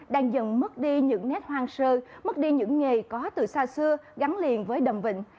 đang dần mất đi những nét hoang sơ mất đi những nghề có từ xa xưa gắn liền với đầm vịnh